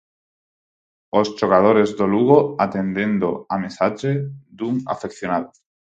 Os xogadores do Lugo atendendo á mensaxe dun afeccionado.